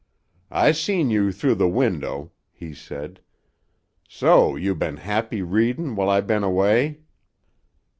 "I seen you through the window," he said. "So you been happy readin' while I been away?"